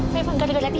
memang gara gara dia